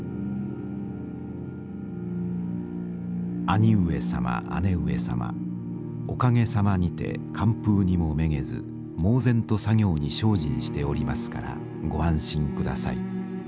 「兄上様姉上様おかげさまにて寒風にもめげず猛然と作業に精進しておりますからご安心ください。